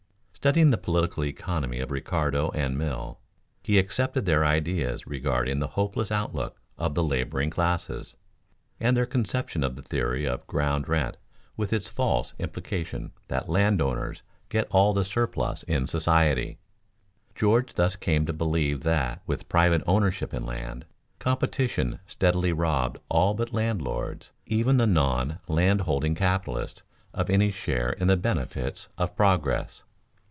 Studying the political economy of Ricardo and Mill, he accepted their ideas regarding the hopeless outlook of the laboring classes, and their conception of the theory of ground rent with its false implication that landowners get all the surplus in society. George thus came to believe that, with private ownership in land, competition steadily robbed all but landlords, even the non landholding capitalist, of any share in the benefits of progress.